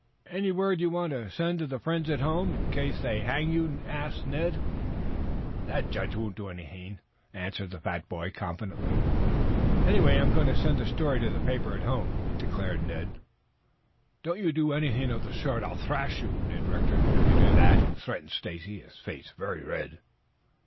"Any word you want to send to the friends at home, in case they hang you?" asked Ned. "The judge won't do anything," answered the fat boy confidently. "Anyway, I am going to send the story to the paper at home," declared Ned. "Don't you dare do anything of the sort. I'll thrash you, Ned Rector, if you do that," threatened Stacy, his face very red.